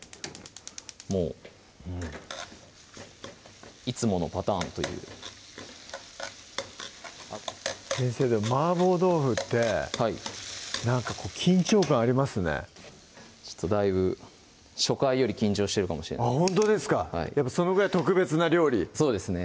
もういつものパターンという先生でも「麻婆豆腐」ってなんか緊張感ありますねだいぶ初回より緊張してるかもしれないほんとですかやっぱそのぐらい特別な料理そうですね